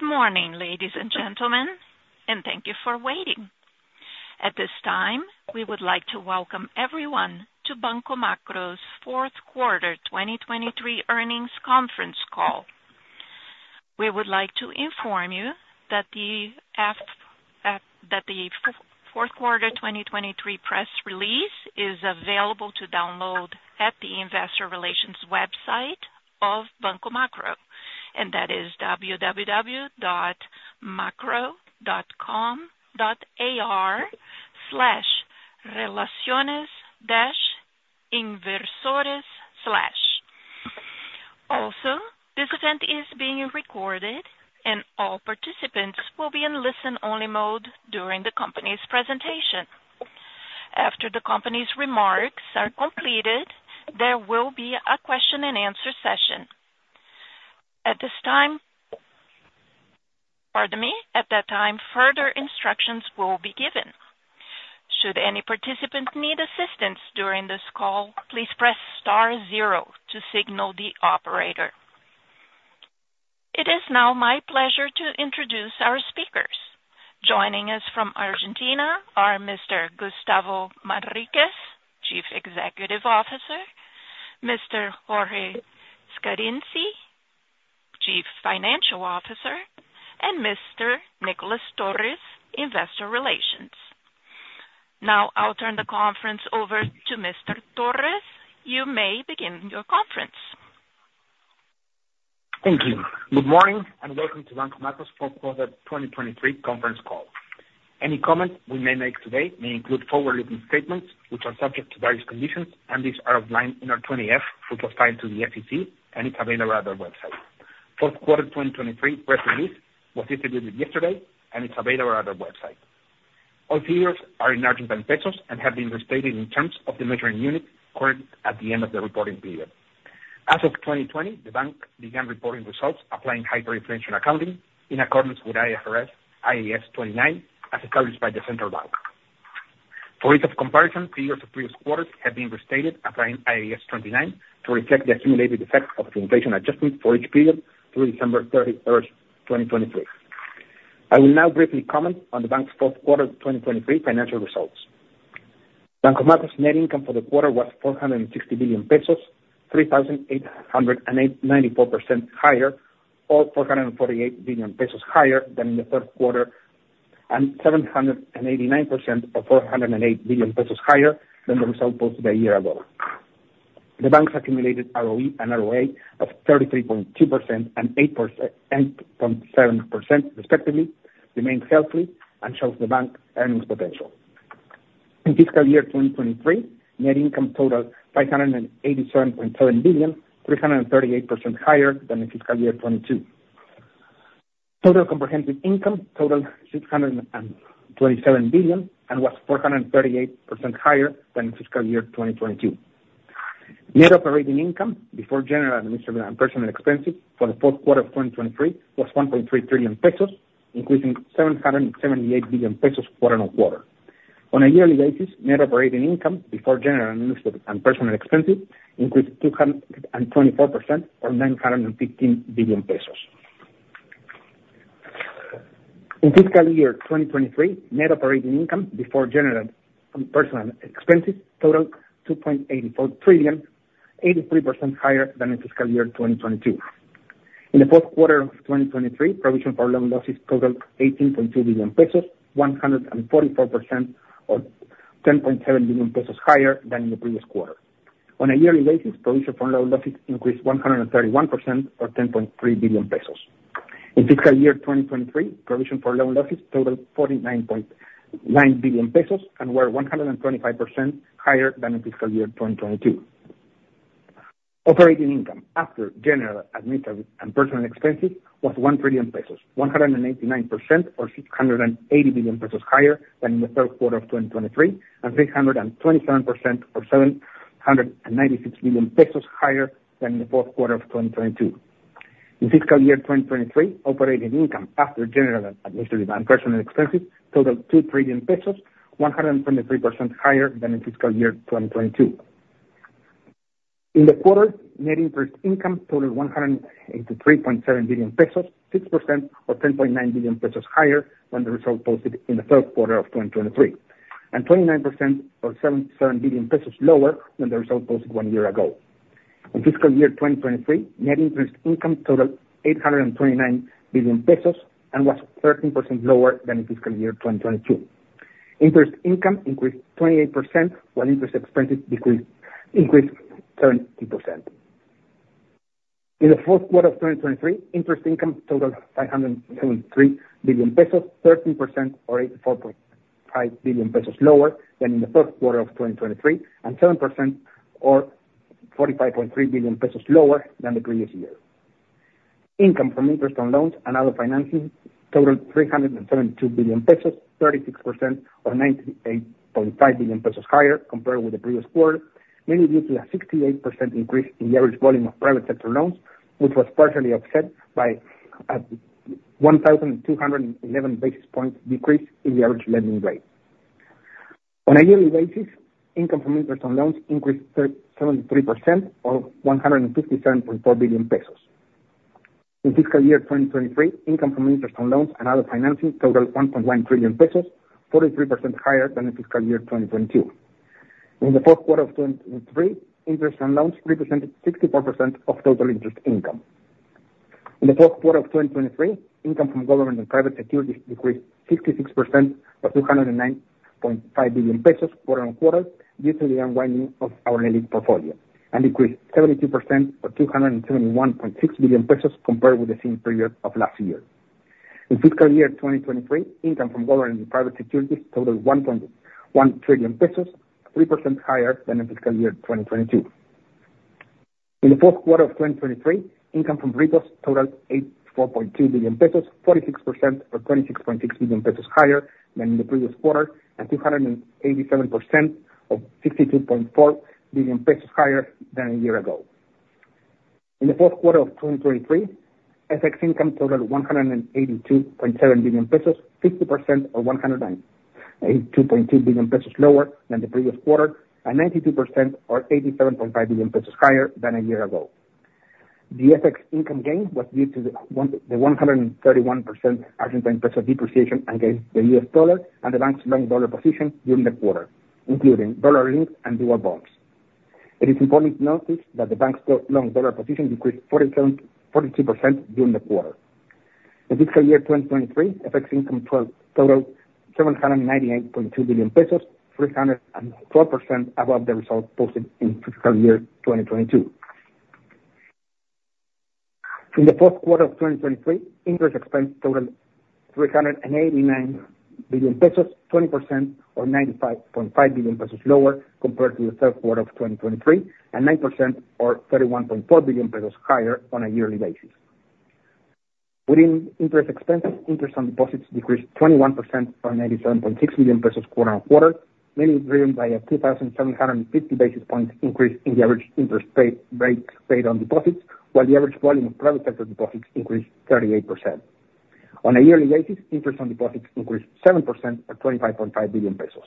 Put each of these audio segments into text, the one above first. Good morning, ladies and gentlemen, and thank you for waiting. At this time, we would like to welcome everyone to Banco Macro's fourth quarter 2023 earnings conference call. We would like to inform you that the fourth quarter 2023 press release is available to download at the investor relations website of Banco Macro, and that is www.macro.com.ar/relaciones-inversores/. Also, this event is being recorded, and all participants will be in listen-only mode during the company's presentation. After the company's remarks are completed, there will be a question-and-answer session. At this time pardon me, at that time, further instructions will be given. Should any participant need assistance during this call, please press star zero to signal the operator. It is now my pleasure to introduce our speakers. Joining us from Argentina are Mr. Gustavo Manriquez, Chief Executive Officer; Mr. Jorge Scarinci, Chief Financial Officer; and Mr. Nicolás Torres, Investor Relations. Now I'll turn the conference over to Mr. Torres. You may begin your conference. Thank you. Good morning and welcome to Banco Macro's fourth quarter 2023 conference call. Any comment we may make today may include forward-looking statements, which are subject to various conditions, and these are outlined in our 20-F, which was filed to the SEC, and it's available at our website. Fourth quarter 2023 press release was distributed yesterday, and it's available at our website. All figures are in Argentine pesos and have been restated in terms of the measuring unit corrected at the end of the reporting period. As of 2020, the bank began reporting results applying hyperinflation accounting in accordance with IFRS IAS 29, as established by the central bank. For ease of comparison, figures of previous quarters have been restated applying IAS 29 to reflect the accumulated effects of the inflation adjustment for each period through December 31st, 2023. I will now briefly comment on the bank's fourth quarter 2023 financial results. Banco Macro's net income for the quarter was 460 billion pesos, 3,894% higher, or 448 billion pesos higher than in the third quarter, and 789% or 408 billion pesos higher than the result posted a year ago. The bank's accumulated ROE and ROA of 33.2% and 8.7%, respectively, remained healthy and shows the bank's earnings potential. In fiscal year 2023, net income totaled 587.7 billion, 338% higher than in fiscal year 2022. Total comprehensive income totaled 627 billion and was 438% higher than in fiscal year 2022. Net operating income before general administrative and personal expenses for the fourth quarter of 2023 was 1.3 trillion pesos, increasing 778 billion pesos quarter-on-quarter. On a yearly basis, net operating income before general administrative and personal expenses increased 224% or ARS 915 billion. In fiscal year 2023, net operating income before general and personal expenses totaled 2.84 trillion, 83% higher than in fiscal year 2022. In the fourth quarter of 2023, provision for loan losses totaled 18.2 billion pesos, 144% or 10.7 billion pesos higher than in the previous quarter. On a yearly basis, provision for loan losses increased 131% or 10.3 billion pesos. In fiscal year 2023, provision for loan losses totaled 49.9 billion pesos and were 125% higher than in fiscal year 2022. Operating income after general administrative and personal expenses was 1 trillion pesos, 189% or 680 billion pesos higher than in the third quarter of 2023, and 327% or 796 billion pesos higher than in the fourth quarter of 2022. In fiscal year 2023, operating income after general administrative and personal expenses totaled 2 trillion pesos, 123% higher than in fiscal year 2022. In the quarter, net interest income totaled 183.7 billion pesos, 6% or 10.9 billion pesos higher than the result posted in the third quarter of 2023, and 29% or 77 billion pesos lower than the result posted one year ago. In fiscal year 2023, net interest income totaled 829 billion pesos and was 13% lower than in fiscal year 2022. Interest income increased 28% while interest expenses increased 70%. In the fourth quarter of 2023, interest income totaled 573 billion pesos, 13% or 84.5 billion pesos lower than in the third quarter of 2023, and 7% or 45.3 billion pesos lower than the previous year. Income from interest on loans and other financing totaled 372 billion pesos, 36% or 98.5 billion pesos higher compared with the previous quarter, mainly due to a 68% increase in the average volume of private sector loans, which was partially offset by a 1,211 basis points decrease in the average lending rate. On a yearly basis, income from interest on loans increased 73% or 157.4 billion pesos. In fiscal year 2023, income from interest on loans and other financing totaled 1.1 trillion pesos, 43% higher than in fiscal year 2022. In the fourth quarter of 2023, interest on loans represented 64% of total interest income. In the fourth quarter of 2023, income from government and private securities decreased 66% or 209.5 billion pesos quarter-on-quarter due to the unwinding of our LELIQ portfolio and decreased 72% or 271.6 billion pesos compared with the same period of last year. In fiscal year 2023, income from government and private securities totaled 1.1 trillion pesos, 3% higher than in fiscal year 2022. In the fourth quarter of 2023, income from Repos totaled 84.2 billion pesos, 46% or 26.6 billion pesos higher than in the previous quarter, and 287% or 62.4 billion pesos higher than a year ago. In the fourth quarter of 2023, FX income totaled 182.7 billion pesos, 50% or 109.8 billion pesos lower than the previous quarter, and 92% or 87.5 billion pesos higher than a year ago. The FX income gain was due to the 131% Argentine peso depreciation against the U.S. dollar and the bank's long dollar position during the quarter, including dollar-linked and dual bonds. It is important to notice that the bank's long dollar position decreased 47% 42% during the quarter. In fiscal year 2023, FX income totaled 798.2 billion pesos, 312% above the result posted in fiscal year 2022. In the fourth quarter of 2023, interest expense totaled 389 billion pesos, 20% or 95.5 billion pesos lower compared to the third quarter of 2023, and 9% or 31.4 billion pesos higher on a yearly basis. Within interest expenses, interest on deposits decreased 21% or 97.6 million pesos quarter-over-quarter, mainly driven by a 2,750 basis points increase in the average interest rate on deposits, while the average volume of private sector deposits increased 38%. On a yearly basis, interest on deposits increased 7% or 25.5 billion pesos.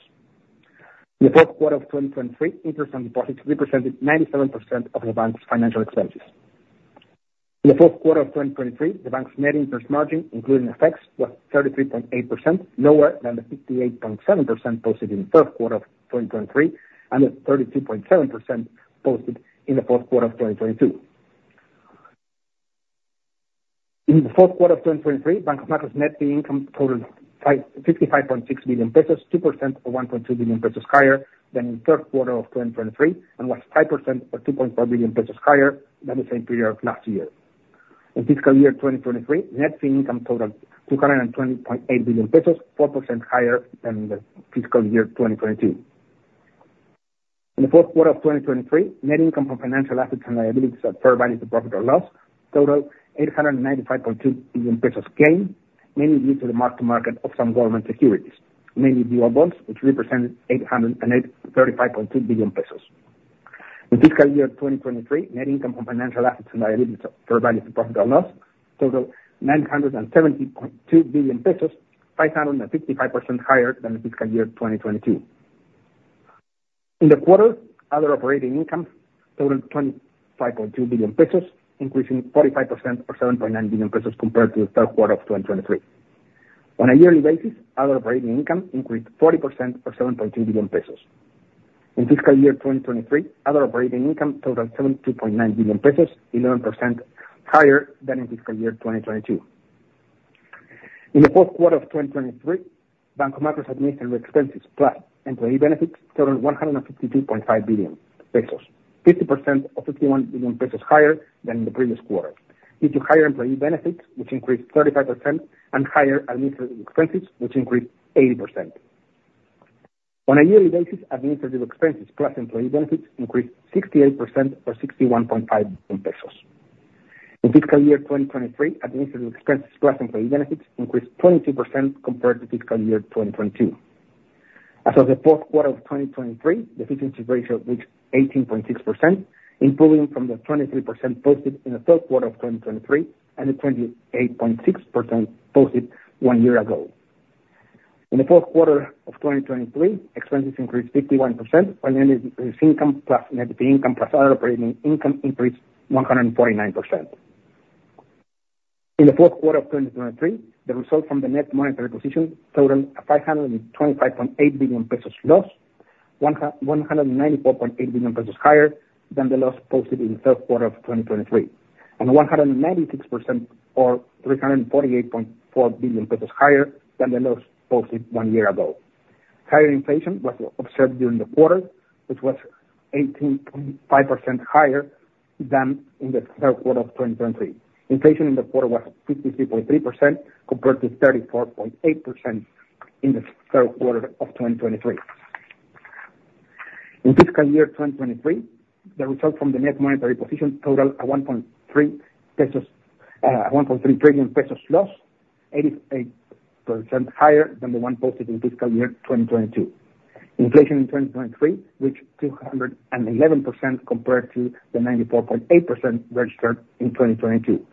In the fourth quarter of 2023, interest on deposits represented 97% of the bank's financial expenses. In the fourth quarter of 2023, the bank's net interest margin, including FX, was 33.8% lower than the 58.7% posted in the third quarter of 2023 and the 32.7% posted in the fourth quarter of 2022. In the fourth quarter of 2023, Banco Macro's net income totaled 55.6 billion pesos, 2% or 1.2 billion pesos higher than in the third quarter of 2023, and was 5% or 2.4 billion pesos higher than the same period of last year. In fiscal year 2023, net income totaled 220.8 billion pesos, 4% higher than the fiscal year 2022. In the fourth quarter of 2023, net income from financial assets and liabilities at fair value to profit or loss totaled 895.2 billion pesos gain, mainly due to the mark-to-market of some government securities, mainly dual bonds, which represented 835.2 billion pesos. In fiscal year 2023, net income from financial assets and liabilities at fair value to profit or loss totaled 970.2 billion pesos, 555% higher than the fiscal year 2022. In the quarter, other operating income totaled 25.2 billion pesos, increasing 45% or 7.9 billion pesos compared to the third quarter of 2023. On a yearly basis, other operating income increased 40% or 7.2 billion pesos. In fiscal year 2023, other operating income totaled 72.9 billion pesos, 11% higher than in fiscal year 2022. In the fourth quarter of 2023, Banco Macro's administrative expenses plus employee benefits totaled 152.5 billion pesos, 50% or 51 billion pesos higher than in the previous quarter due to higher employee benefits, which increased 35%, and higher administrative expenses, which increased 80%. On a yearly basis, administrative expenses plus employee benefits increased 68% or 61.5 billion pesos. In fiscal year 2023, administrative expenses plus employee benefits increased 22% compared to fiscal year 2022. As of the fourth quarter of 2023, efficiency ratio reached 18.6%, improving from the 23% posted in the third quarter of 2023 and the 28.6% posted one year ago. In the fourth quarter of 2023, expenses increased 51% while net income plus net income plus other operating income increased 149%. In the fourth quarter of 2023, the result from the net monetary position totaled a 525.8 billion pesos loss, 194.8 billion pesos higher than the loss posted in the third quarter of 2023, and 196% or 348.4 billion pesos higher than the loss posted one year ago. Higher inflation was observed during the quarter, which was 18.5% higher than in the third quarter of 2023. Inflation in the quarter was 53.3% compared to 34.8% in the third quarter of 2023. In fiscal year 2023, the result from the net monetary position totaled a 1.3 trillion pesos loss, 88% higher than the one posted in fiscal year 2022. Inflation in 2023 reached 211% compared to the 94.8% registered in 2022.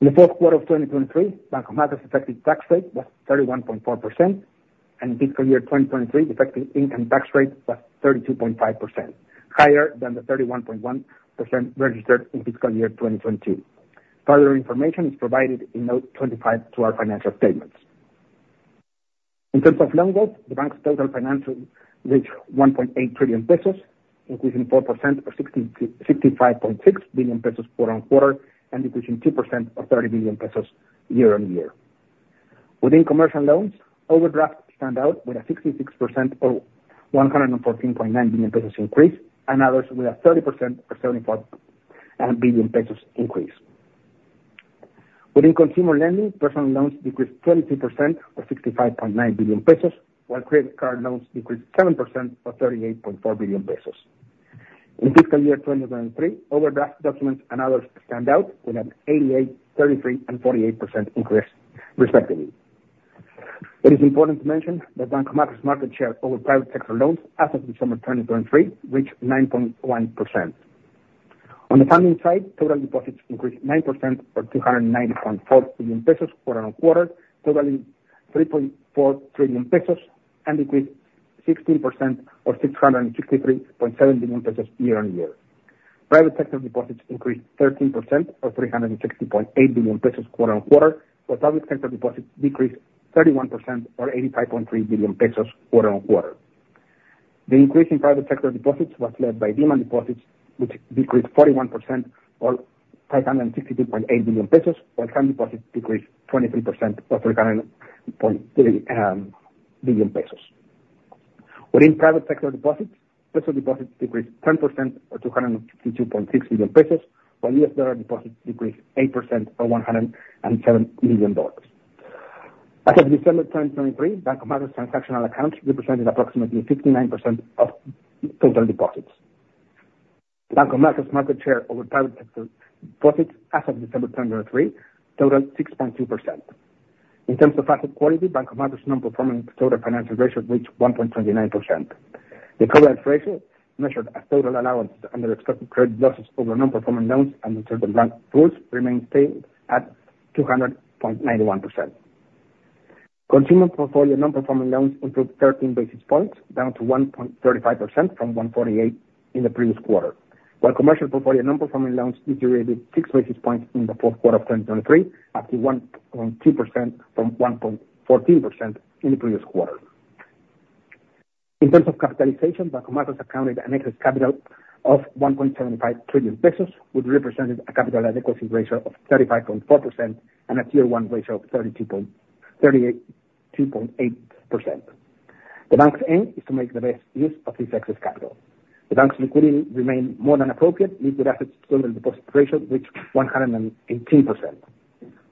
In the fourth quarter of 2023, Banco Macro's effective tax rate was 31.4%, and in fiscal year 2023, effective income tax rate was 32.5%, higher than the 31.1% registered in fiscal year 2022. Further information is provided in note 25 to our financial statements. In terms of loan growth, the bank's total financial reached 1.8 trillion pesos, increasing 4% or 65.6 billion pesos quarter-on-quarter and decreasing 2% or 30 billion pesos year-on-year. Within commercial loans, overdrafts stand out with a 66% or 114.9 billion pesos increase and others with a 30% or 75 billion pesos increase. Within consumer lending, personal loans decreased 22% or 65.9 billion pesos, while credit card loans decreased 7% or 38.4 billion pesos. In fiscal year 2023, overdraft documents and others stand out with an 88%, 33%, and 48% increase, respectively. It is important to mention that Banco Macro's market share over private sector loans as of the December 2023 reached 9.1%. On the funding side, total deposits increased 9% or 290.4 billion pesos quarter-on-quarter, totaling 3.4 trillion pesos, and decreased 16% or 663.7 billion pesos year-on-year. Private sector deposits increased 13% or 360.8 billion pesos quarter-on-quarter, while public sector deposits decreased 31% or 85.3 billion pesos quarter-on-quarter. The increase in private sector deposits was led by demand deposits, which decreased 41% or 562.8 billion pesos, while time deposits decreased 23% or 300.3 billion pesos. Within private sector deposits, Peso deposits decreased 10% or 252.6 billion pesos, while U.S. dollar deposits decreased 8% or $107 million. As of December 2023, Banco Macro's transactional accounts represented approximately 59% of total deposits. Banco Macro's market share over private sector deposits as of December 2023 totaled 6.2%. In terms of asset quality, Banco Macro's non-performing total financial ratio reached 1.29%. The coverage ratio measured as total allowances under expected credit losses over non-performing loans under certain bank rules remained stable at 200.91%. Consumer portfolio non-performing loans improved 13 basis points down to 1.35% from 1.48% in the previous quarter, while commercial portfolio non-performing loans deteriorated six basis points in the fourth quarter of 2023 up to 1.2% from 1.14% in the previous quarter. In terms of capitalization, Banco Macro's accounted an excess capital of 1.75 trillion pesos, which represented a Capital Adequacy Ratio of 35.4% and a Tier 1 ratio of 32.8%. The bank's aim is to make the best use of this excess capital. The bank's liquidity remained more than appropriate, liquid assets to total deposit ratio reached 118%.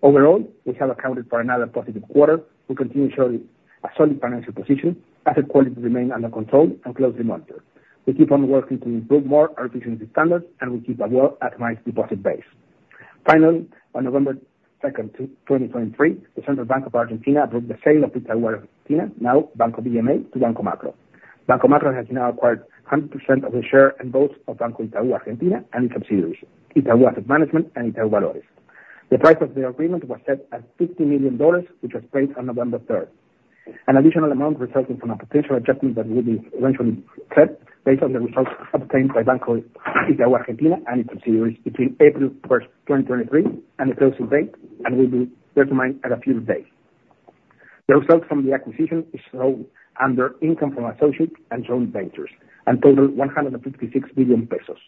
Overall, we have accounted for another positive quarter. We continue showing a solid financial position. Asset quality remained under control and closely monitored. We keep on working to improve more our efficiency standards, and we keep a well-optimized deposit base. Finally, on November 2nd, 2023, the Central Bank of Argentina approved the sale of Itaú Argentina, now Banco BMA, to Banco Macro. Banco Macro has now acquired 100% of the share and votes of Banco Itaú Argentina and its subsidiaries, Itaú Asset Management and Itaú Valores. The price of the agreement was set at $50 million, which was paid on November 3rd, an additional amount resulting from a potential adjustment that will be eventually set based on the results obtained by Banco Itaú Argentina and its subsidiaries between April 1st, 2023, and the closing date, and will be determined in a few days. The result from the acquisition is shown under income from associate and joint ventures and totaled 156 billion pesos,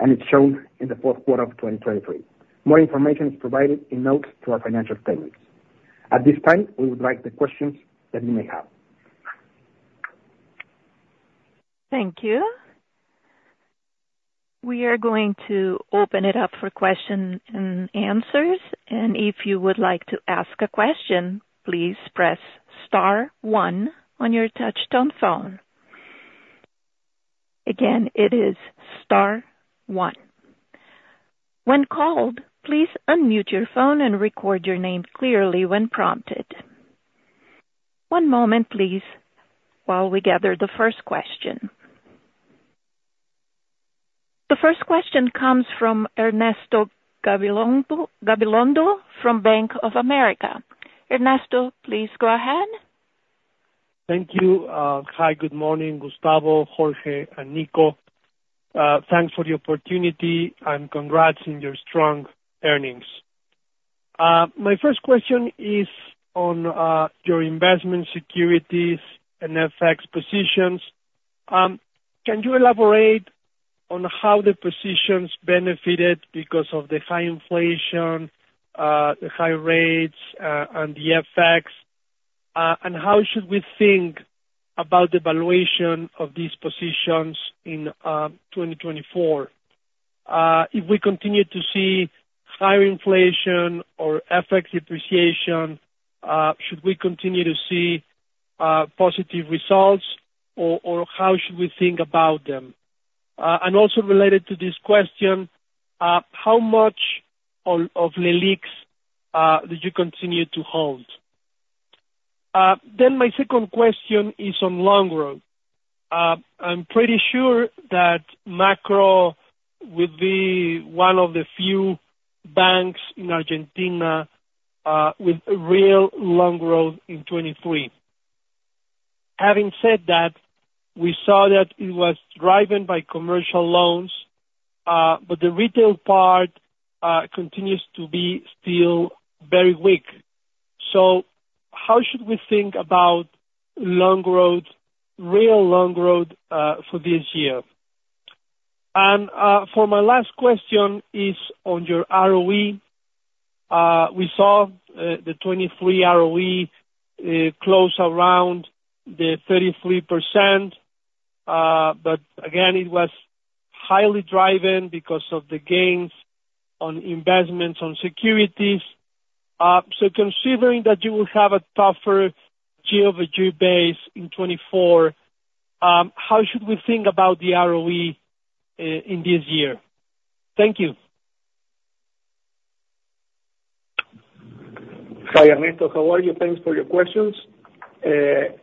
and it's shown in the fourth quarter of 2023. More information is provided in notes to our financial statements. At this time, we would like the questions that you may have. Thank you. We are going to open it up for questions and answers. If you would like to ask a question, please press star one on your touch-tone phone. Again, it is star one. When called, please unmute your phone and record your name clearly when prompted. One moment, please, while we gather the first question. The first question comes from Ernesto Gabilondo from Bank of America. Ernesto, please go ahead. Thank you. Hi, good morning, Gustavo, Jorge, and Nico. Thanks for the opportunity and congrats on your strong earnings. My first question is on your investment securities and FX positions. Can you elaborate on how the positions benefited because of the high inflation, the high rates, and the FX, and how should we think about the valuation of these positions in 2024? If we continue to see higher inflation or FX depreciation, should we continue to see positive results, or how should we think about them? And also related to this question, how much of LELIQs did you continue to hold? Then my second question is on loan growth. I'm pretty sure that Macro will be one of the few banks in Argentina with real loan growth in 2023. Having said that, we saw that it was driven by commercial loans, but the retail part continues to be still very weak. So how should we think about long growth, real long growth for this year? For my last question, it's on your ROE. We saw the 2023 ROE close around the 33%, but again, it was highly driven because of the gains on investments on securities. So considering that you will have a tougher comp base in 2024, how should we think about the ROE in this year? Thank you. Hi, Ernesto. How are you? Thanks for your questions.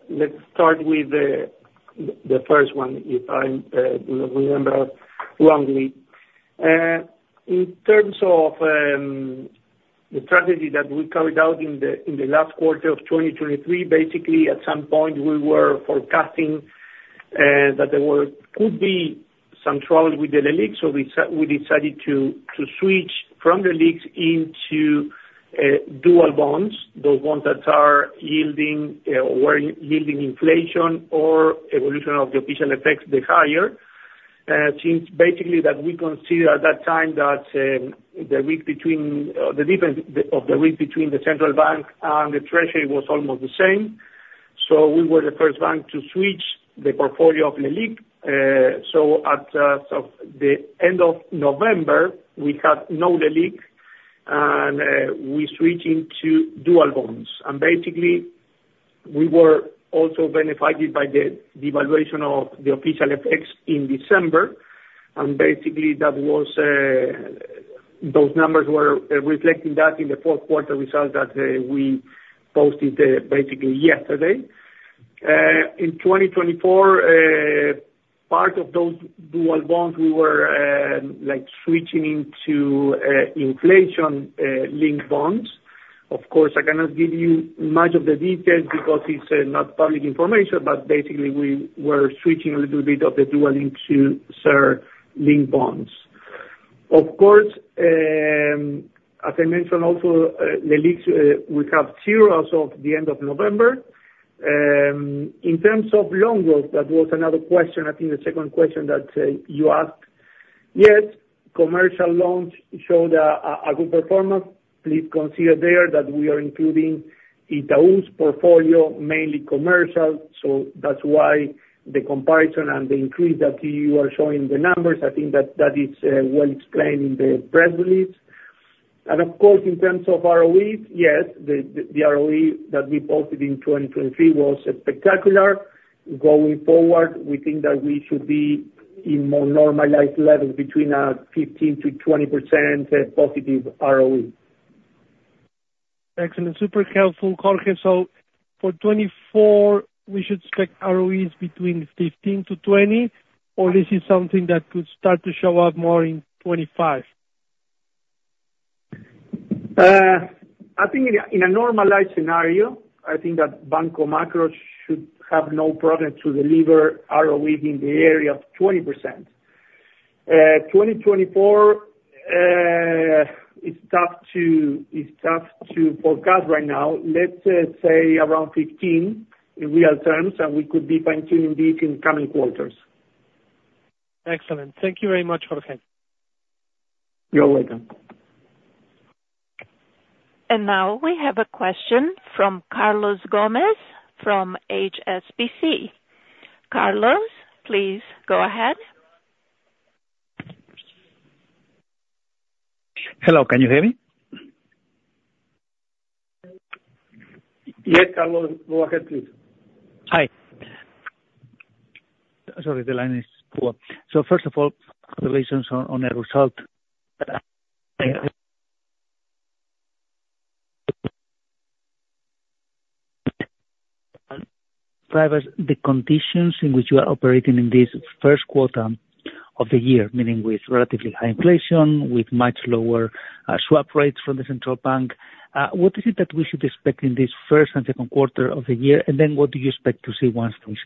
Let's start with the first one if I'm not remembering wrongly. In terms of the strategy that we carried out in the last quarter of 2023, basically, at some point, we were forecasting that there could be some trouble with the LELIQs, so we decided to switch from LELIQs into dual bonds, those ones that are yielding or were yielding inflation or evolution of the official FX, the higher, since basically that we considered at that time that the risk between the difference of the risk between the central bank and the treasury was almost the same. So we were the first bank to switch the portfolio of LELIQ. So at the end of November, we had no LELIQ, and we switched into dual bonds. And basically, we were also benefited by the devaluation of the official FX in December. Basically, those numbers were reflecting that in the fourth quarter result that we posted basically yesterday. In 2024, part of those dual bonds, we were switching into inflation-linked bonds. Of course, I cannot give you much of the details because it's not public information, but basically, we were switching a little bit of the dual into SER-linked bonds. Of course, as I mentioned also, LELIQs, we have zero at the end of November. In terms of loan growth, that was another question. I think the second question that you asked, yes, commercial loans showed a good performance. Please consider there that we are including Itaú's portfolio, mainly commercial. So that's why the comparison and the increase that you are showing the numbers, I think that that is well explained in the press release. Of course, in terms of ROEs, yes, the ROE that we posted in 2023 was spectacular. Going forward, we think that we should be in more normalized levels between a 15%-20% positive ROE. Excellent. Super helpful, Jorge. So for 2024, we should expect ROEs between 15%-20%, or this is something that could start to show up more in 2025? I think in a normalized scenario, I think that Banco Macro should have no problem to deliver ROEs in the area of 20%. 2024, it's tough to forecast right now. Let's say around 15% in real terms, and we could be fine-tuning this in coming quarters. Excellent. Thank you very much, Jorge. You're welcome. Now we have a question from Carlos Gomez from HSBC. Carlos, please go ahead. Hello. Can you hear me? Yes, Carlos. Go ahead, please. Hi. Sorry, the line is poor. First of all, congratulations on the result. The conditions in which you are operating in this first quarter of the year, meaning with relatively high inflation, with much lower swap rates from the central bank, what is it that we should expect in this first and second quarter of the year? And then what do you expect to see once this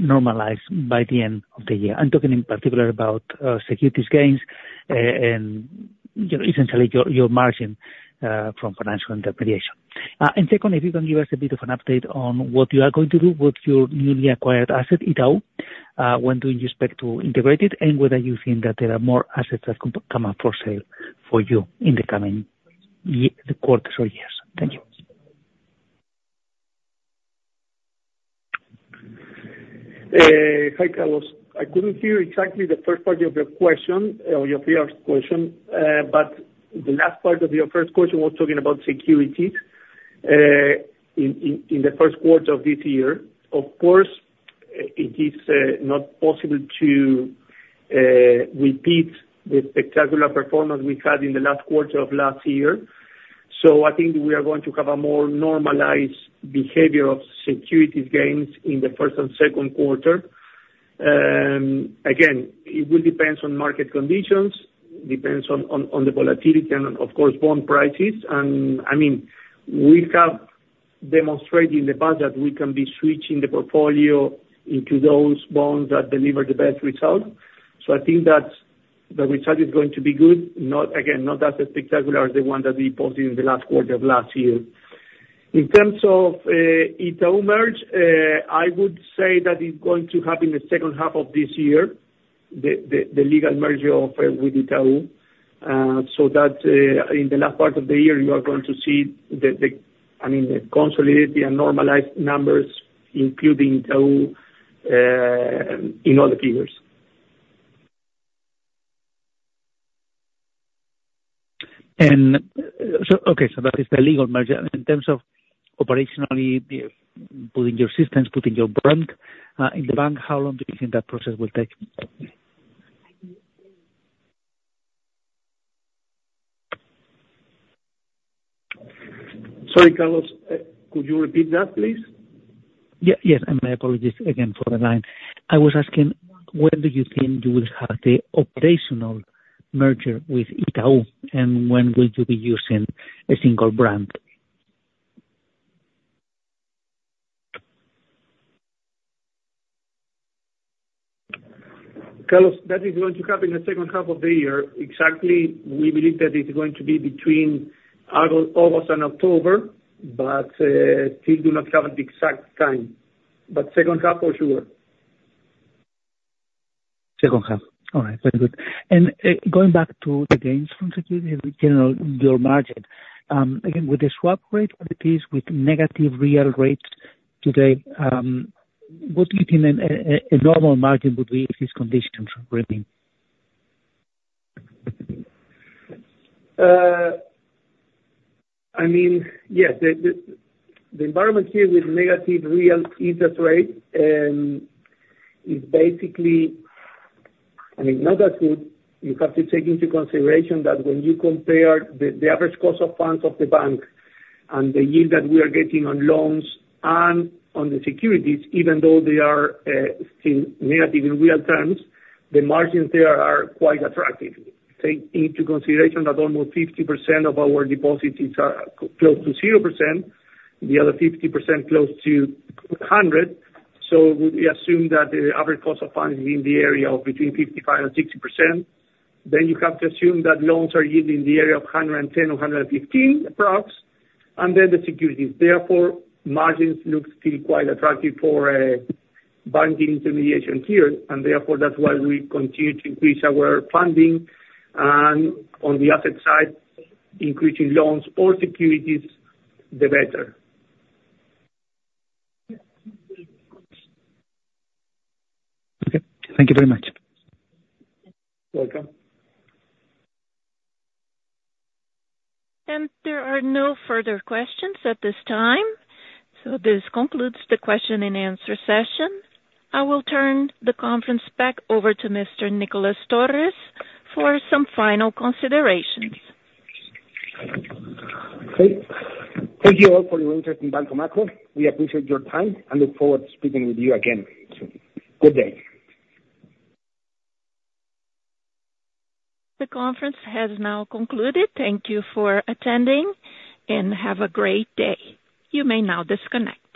normalizes by the end of the year? I'm talking in particular about securities gains and essentially your margin from financial intermediation. And second, if you can give us a bit of an update on what you are going to do with your newly acquired asset, Itaú, when do you expect to integrate it, and whether you think that there are more assets that come up for sale for you in the coming quarters or years? Thank you. Hi, Carlos. I couldn't hear exactly the first part of your question or your first question, but the last part of your first question was talking about securities in the first quarter of this year. Of course, it is not possible to repeat the spectacular performance we had in the last quarter of last year. So I think we are going to have a more normalized behavior of securities gains in the first and second quarter. Again, it will depend on market conditions, depends on the volatility, and of course, bond prices. And I mean, we have demonstrated in the past that we can be switching the portfolio into those bonds that deliver the best result. So I think that the result is going to be good, again, not as spectacular as the one that we posted in the last quarter of last year. In terms of Itaú merger, I would say that it's going to happen in the second half of this year, the legal merger offer with Itaú, so that in the last part of the year, you are going to see the, I mean, the consolidated and normalized numbers, including Itaú, in all the figures. Okay. That is the legal merger. In terms of operationally putting your systems, putting your brand in the bank, how long do you think that process will take? Sorry, Carlos. Could you repeat that, please? Yes. My apologies again for the line. I was asking, when do you think you will have the operational merger with Itaú, and when will you be using a single brand? Carlos, that is going to happen in the second half of the year. Exactly, we believe that it's going to be between August and October, but still do not have the exact time. Second half, for sure. Second half. All right. Very good. Going back to the gains from securities, in general, your margin, again, with the swap rate that it is with negative real rates today, what do you think a normal margin would be if these conditions remain? I mean, yes, the environment here with negative real interest rate is basically, I mean, not that good. You have to take into consideration that when you compare the average cost of funds of the bank and the yield that we are getting on loans and on the securities, even though they are still negative in real terms, the margins there are quite attractive. Take into consideration that almost 50% of our deposits are close to 0%, the other 50% close to 100%. So we assume that the average cost of funds is in the area of between 55% and 60%. Then you have to assume that loans are yielding in the area of 110% or 115% approximately, and then the securities. Therefore, margins look still quite attractive for banking intermediation here. And therefore, that's why we continue to increase our funding. On the asset side, increasing loans or securities, the better. Okay. Thank you very much. You're welcome. There are no further questions at this time. This concludes the question-and-answer session. I will turn the conference back over to Mr. Nicolás Torres for some final considerations. Okay. Thank you all for your interest in Banco Macro. We appreciate your time and look forward to speaking with you again soon. Good day. The conference has now concluded. Thank you for attending, and have a great day. You may now disconnect.